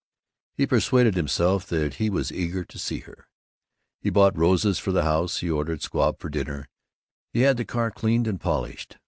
He persuaded himself that he was eager to see her. He bought roses for the house, he ordered squab for dinner, he had the car cleaned and polished.